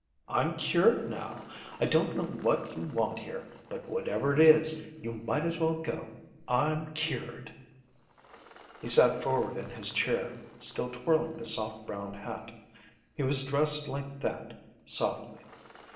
I'm cured now. I don't know what you want here, but whatever it is you might as well go. I'm cured!" He sat forward in his chair, still twirling the soft brown hat. He was dressed like that. Softly.